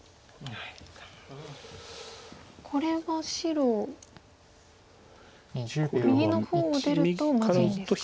これは白右の方を出るとまずいんですか。